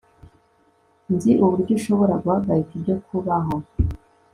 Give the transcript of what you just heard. Nzi uburyo ushobora guhagarika ibyo kubaho